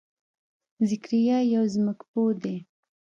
ذکریا یو ځمکپوه دی.